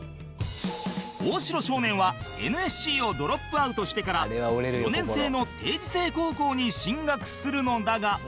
大城少年は ＮＳＣ をドロップアウトしてから４年制の定時制高校に進学するのだが